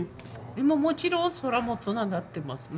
もちろん空もつながってますね。